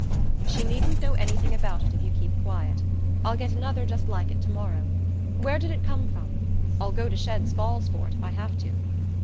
"She needn't know anything about it if you keep quiet. I'll get another just like it to morrow. Where did it come from? I'll go to Shadd's Falls for it if I have to!"